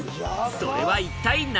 それは一体何？